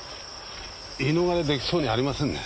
言い逃れ出来そうにありませんね。